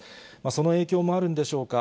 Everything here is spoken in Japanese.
その影響もあるんでしょうか、